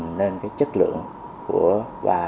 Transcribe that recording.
và hình hành lên cái chất lượng của các đơn vị sản xuất